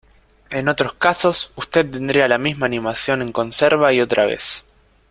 En otros casos, usted tendría la misma animación en conserva y otra vez.